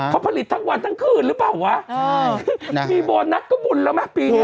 เขาผลิตทั้งวันทั้งคืนหรือเปล่าวะมีโบนัสก็บุญแล้วไหมปีนี้